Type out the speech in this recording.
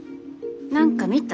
何か見た？